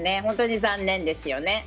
本当に残念ですよね。